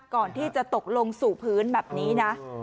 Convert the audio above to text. ก่อนที่จะตกลงสู่พื้นแบบนี้นะ